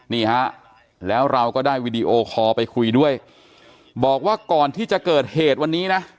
นี่ฮะแล้วเราก็ได้วีดีโอคอลไปคุยด้วยบอกว่าก่อนที่จะเกิดเหตุวันนี้นะ